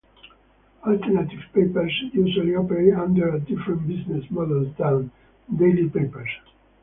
Alternative papers usually operate under a different business model than daily papers.